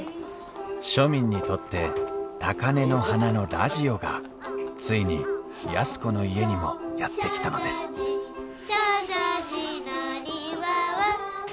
庶民にとって高根の花のラジオがついに安子の家にもやって来たのです「証城寺の庭は」